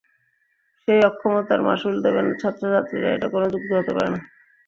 সেই অক্ষমতার মাশুল দেবেন ছাত্রছাত্রীরা, এটা কোনো যুক্তি হতে পারে না।